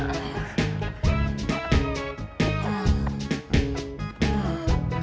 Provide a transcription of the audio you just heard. wanita wanita efek penjaga